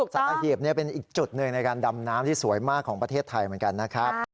สัตหีบเป็นอีกจุดหนึ่งในการดำน้ำที่สวยมากของประเทศไทยเหมือนกันนะครับ